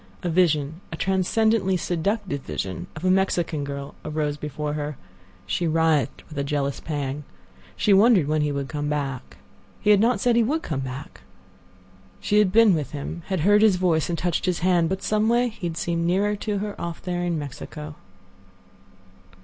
A vision—a transcendently seductive vision of a Mexican girl arose before her. She writhed with a jealous pang. She wondered when he would come back. He had not said he would come back. She had been with him, had heard his voice and touched his hand. But some way he had seemed nearer to her off there in Mexico.